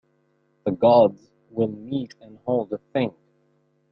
The gods will meet and hold a thing.